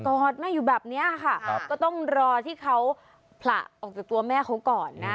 อดแม่อยู่แบบนี้ค่ะก็ต้องรอที่เขาผละออกจากตัวแม่เขาก่อนนะ